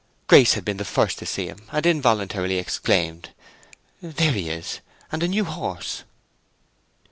Grace had been the first to see him, and involuntarily exclaimed, "There he is—and a new horse!"